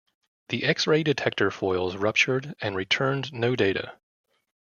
The X-Ray detector foils ruptured and returned no data.